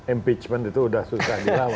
impeachment itu sudah susah dirawat